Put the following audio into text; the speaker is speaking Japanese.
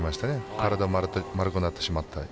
体も丸くなってしまった。